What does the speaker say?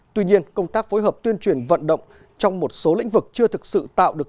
tuy nhiên công tác phối hợp tuyên truyền vận động trong một số lĩnh vực chưa thực sự tạo được